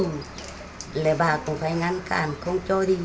lời bà cũng phải ngăn cản không cho đi